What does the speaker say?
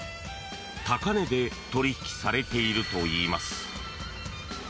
高値で取引されているといいます。